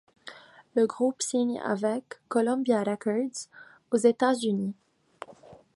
Le groupe signe avec Columbia Records aux États-Unis.